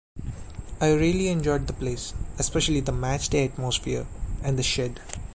I really enjoyed the place, especially the match-day atmosphere and the Shed.